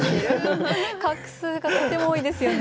画数がとても多いですよね。